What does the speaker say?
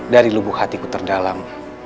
dari lubuh hatiku terdalam